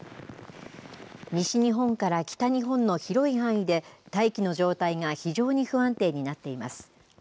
西日本から北日本の広い範囲で、大気の状態が非常に不安定になっています。